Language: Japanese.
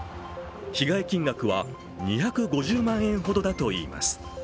被害金額は２５０万円ほどだといいます。